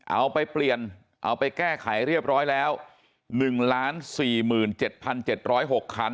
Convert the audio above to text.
เอาไปเปลี่ยนเอาไปแก้ไขเรียบร้อยแล้ว๑๔๗๗๐๖คัน